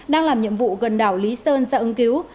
đang làm nhiệm vụ gần đảo lý sơn ra ứng cứu